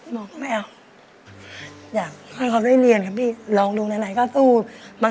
หลังพอเมืองนะใจฉันก็เป็นเงินแต่ชั้นอยู่จุดเสร็จ